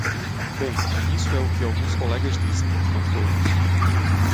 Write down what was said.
Bem, isso é o que alguns colegas dizem, não todos.